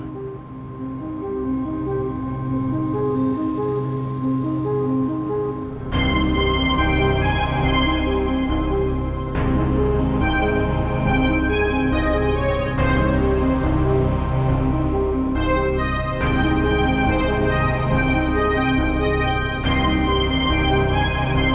bisnis yang akan diperlukan banyak orang